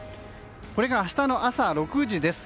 これが明日の朝６時です。